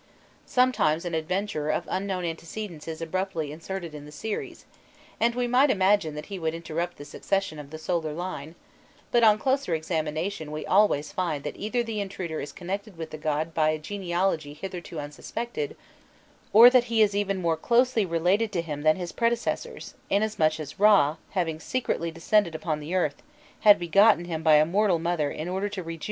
Sometimes an adventurer of unknown antecedents is abruptly inserted in the series, and we might imagine that he would interrupt the succession of the solar line; but on closer examination we always find that either the intruder is connected with the god by a genealogy hitherto unsuspected, or that he is even more closely related to him than his predecessors, inasmuch as Râ, having secretly descended upon the earth, had begotten him by a mortal mother in order to rejuvenate the race.